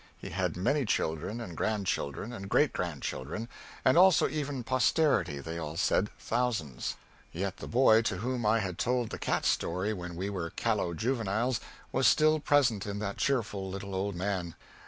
He had many children and grandchildren and great grandchildren, and also even posterity, they all said thousands yet the boy to whom I had told the cat story when we were callow juveniles was still present in that cheerful little old man.